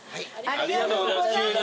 ありがとうございます。